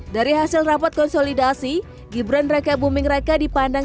dari hasil rapat konsolidasi gibran raka buming raka dipandang